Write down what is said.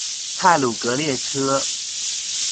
太魯閣列車